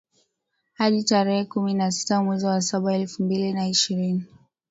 hadi tarehe kumi na sita mwezi wa saba elfu mbili na ishirini